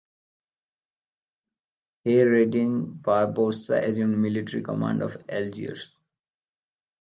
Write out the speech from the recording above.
Hayreddin Barbarossa assumed military command of Algiers.